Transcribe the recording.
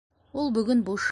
Ул бөгөн буш.